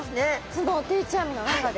その定置網の中で？